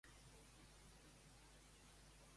Com va copular Zeus amb Persèfone?